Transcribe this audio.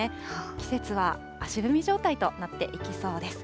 季節は足踏み状態となっていきそうです。